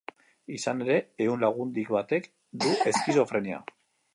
Izan ere ehun lagundik batek du eskizofrenia.